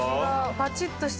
パチッとしてる。